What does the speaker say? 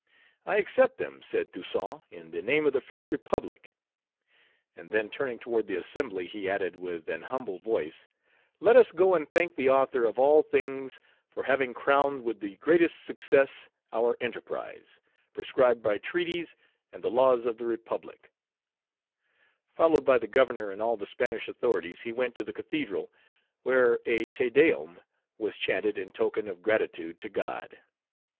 "I accept them," said Toussaint, "in the name of the French Republic;" and then turning toward the assembly, he added, with an humble voice, "Let us go and thank the Author of all things for having crowned with the greatest success our enterprise, prescribed by treaties and the laws of the Republic." Followed by the Governor and all the Spanish authorities, he went to the cathedral, where a Te Deum was chanted in token of gratitude to God.